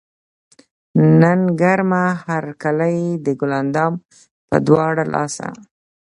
نن کړمه هر کلے د ګل اندام پۀ دواړه لاسه